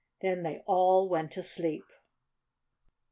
Then they all went to sleep.